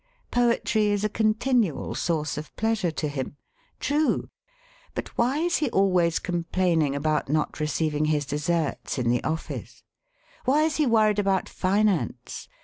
Poetry is a continual source of pleasure to him. True! But why is he always complaining about not receiving his deserts in the office? Why is he worried about finance?